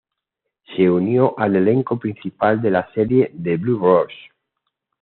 Se unió al elenco principal de la serie "The Blue Rose".